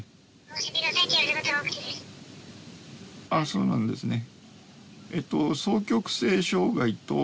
そうなんですね。